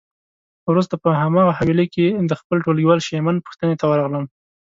وروسته په هماغه حویلی کې د خپل ټولګیوال شېمن پوښتنه ته ورغلم.